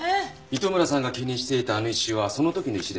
糸村さんが気にしていたあの石はその時の石でしょうね。